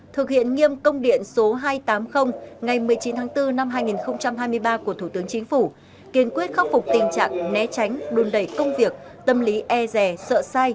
thực hiện nghiêm công điện số hai trăm tám mươi ngày một mươi chín tháng bốn năm hai nghìn hai mươi ba của thủ tướng chính phủ kiên quyết khắc phục tình trạng né tránh đùn đẩy công việc tâm lý e rè sợ sai